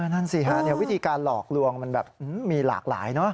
นั่นสิฮะวิธีการหลอกลวงมันแบบมีหลากหลายเนอะ